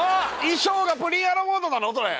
衣装がプリンアラモードなのそれ？